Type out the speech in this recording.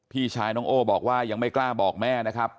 พี่ชายน้องโอ้บอกว่ายังไม่กล้าบอกแม่นะครับ